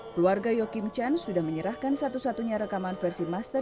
keluarga yo kim chan sudah menyerahkan satu satunya rekaman versi master